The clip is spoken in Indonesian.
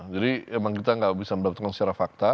jadi emang kita enggak bisa mendapatkan secara fakta